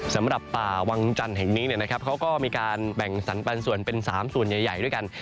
สำหรับป่าวังจันทร์แห่งนี้เขาก็มีการแบ่งสรรปันส่วนเป็น๓ส่วนใหญ่ด้วยกัน